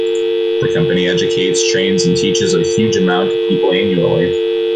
The company educates, trains and teaches a huge amount of people annually.